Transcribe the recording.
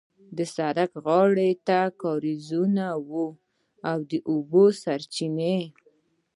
د سړک غاړې ته کارېزونه وو د اوبو سرچینې.